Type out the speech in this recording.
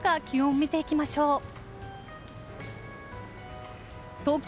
気温を見ていきましょう。